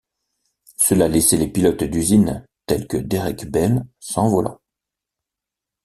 Cela laissait les pilotes d'usine tels que Derek Bell sans volant.